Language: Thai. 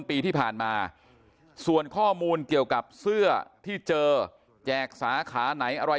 ปีที่ผ่านมาส่วนข้อมูลเกี่ยวกับเสื้อที่เจอแจกสาขาไหนอะไร